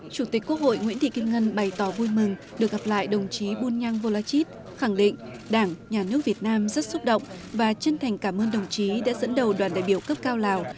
chủ tịch quốc hội nguyễn thị kim ngân bày tỏ vui mừng được gặp lại đồng chí bunyang volachit khẳng định đảng nhà nước việt nam rất xúc động và chân thành cảm ơn đồng chí đã dẫn đầu đoàn đại biểu cấp cao lào